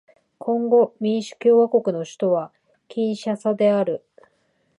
コンゴ民主共和国の首都はキンシャサである